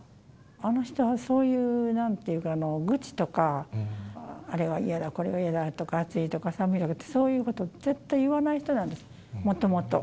あの人はそういう、なんていうか、愚痴とか、あれが嫌だ、これが嫌だとか、暑いとか寒いとかって、そういうこと絶対言わない人なんです、もともと。